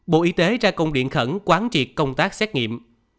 bộ y tế ra công điện khẩn quán triệt công tác xét nghiệm